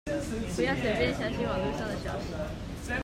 不要隨便相信網路上的消息